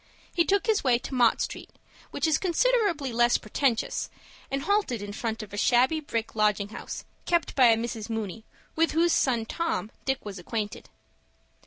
He took his way to Mott Street, which is considerably less pretentious, and halted in front of a shabby brick lodging house kept by a Mrs. Mooney, with whose son Tom, Dick was acquainted.